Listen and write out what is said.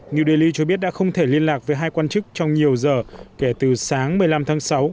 new delhi cho biết đã không thể liên lạc với hai quan chức trong nhiều giờ kể từ sáng một mươi năm tháng sáu